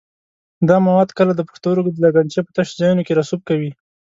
دا مواد کله د پښتورګو د لګنچې په تشو ځایونو کې رسوب کوي.